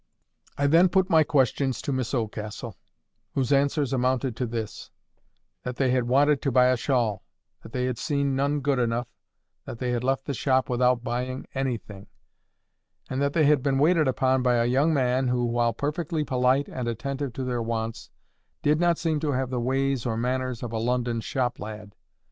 I then put my questions to Miss Oldcastle, whose answers amounted to this:—That they had wanted to buy a shawl; that they had seen none good enough; that they had left the shop without buying anything; and that they had been waited upon by a young man, who, while perfectly polite and attentive to their wants, did not seem to have the ways or manners of a London shop lad.